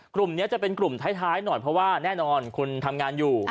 กลุ่มนี้จะเป็นกลุ่มท้ายหน่อยเพราะว่าแน่นอนคุณทำงานอยู่